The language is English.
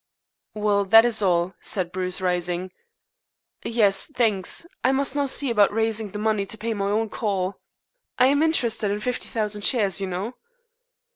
"Well, that is all," said Bruce rising. "Yes, thanks. I must now see about raising the money to pay my own call. I am interested in fifty thousand shares, you know."